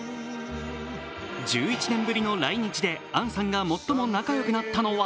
１１年ぶりの来日でアンさんが最も仲良くなったのは？